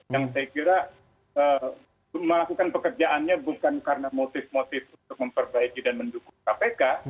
yang saya kira melakukan pekerjaannya bukan karena motif motif untuk memperbaiki dan mendukung kpk